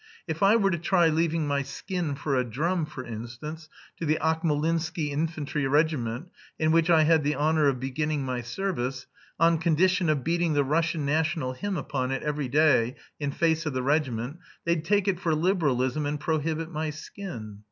If I were to try leaving my skin for a drum, for instance, to the Akmolinsky infantry regiment, in which I had the honour of beginning my service, on condition of beating the Russian national hymn upon it every day, in face of the regiment, they'd take it for liberalism and prohibit my skin...